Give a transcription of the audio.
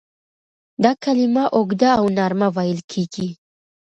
دا کلمه اوږده او نرمه ویل کیږي.